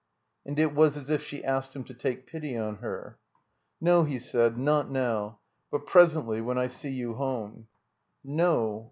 And it was as if she asked him to take pity on her. '' No, '' he said. '' Not now. But presently, when I see you home." "No.